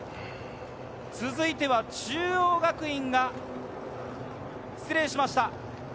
続いて中央学院が、失礼しました。